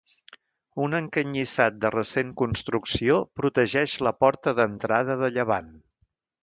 Un encanyissat de recent construcció protegeix la porta d'entrada de llevant.